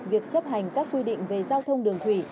việc chấp hành các quy định về giao thông đường thủy